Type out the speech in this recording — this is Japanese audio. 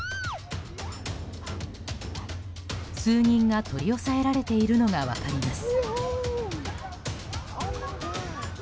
数人が取り押さえられているのが分かります。